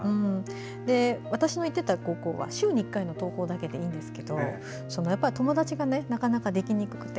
私の行っていた高校は週に１回の登校だけでいいんですけど友達が、なかなかできにくくて。